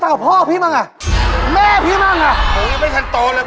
แม่พี่มั่งเหรอพวยไม่ทันโตเลยหมอน